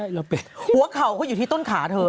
หัวเข่าเขาอยู่ที่ต้นขาเธอ